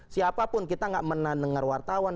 siapapun kita gak menandengar wartawan